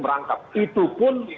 merangkap itu pun